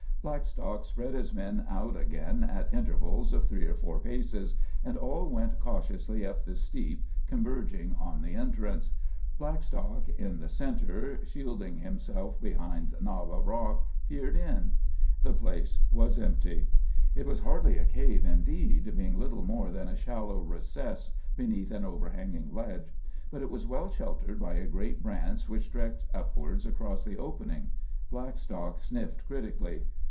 Blackstock spread his men out again, at intervals of three or four paces, and all went cautiously up the steep, converging on the entrance. Blackstock, in the centre, shielding himself behind a knob of rock, peered in. The place was empty. It was hardly a cave, indeed, being little more than a shallow recess beneath an overhanging ledge. But it was well sheltered by a great branch which stretched upwards across the opening. Blackstock sniffed critically.